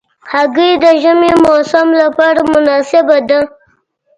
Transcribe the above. هګۍ د ژمي موسم لپاره مناسبه ده.